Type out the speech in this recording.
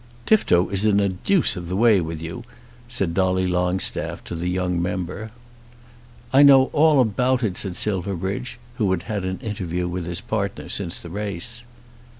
"Tifto is in a deuce of a way with you," said Dolly Longstaff to the young member. "I know all about it," said Silverbridge, who had had an interview with his partner since the race.